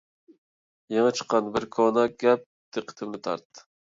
يېڭى چىققان بىر كونا گەپ دىققىتىمنى تارتتى.